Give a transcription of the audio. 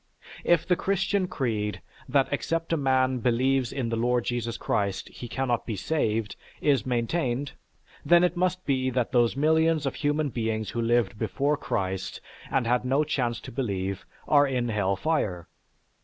If the Christian creed, that except a man believes in the Lord Jesus Christ he cannot be saved, is maintained, then it must be that those millions of human beings who lived before Christ and had no chance to believe, are in hell fire.